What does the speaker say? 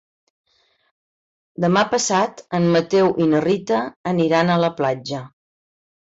Demà passat en Mateu i na Rita aniran a la platja.